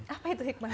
apa itu hikmah